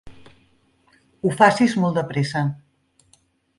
Ho facis molt de pressa.